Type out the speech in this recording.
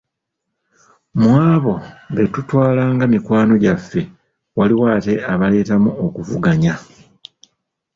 Mu abo be tutwalanga mikwano gyaffe waliwo ate abaleetamu okuvuganya.